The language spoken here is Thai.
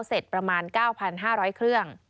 เสร็จประมาณ๙๕๐๐เครื่อง